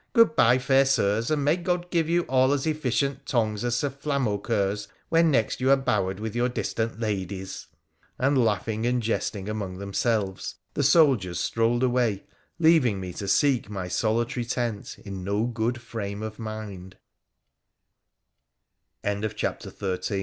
Good bye, fair Sirs, and may God give you all as efficient tongues as Sir Flamaucoeur's when next you are bowered with your distant ladies !' and laughing and jesting among themselves the soldiers strolled away, leaving me to seek my solitary tent in